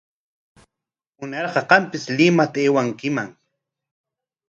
Munarqa qampis Limata aywankimanmi.